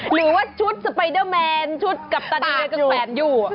หรือว่าชุดสปายเดอร์แมนชุดกับตาเดียกับแสนอยู่